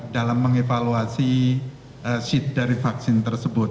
dalam mengevaluasi seat dari vaksin tersebut